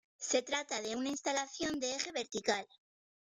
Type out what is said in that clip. Se trata de una instalación de eje vertical.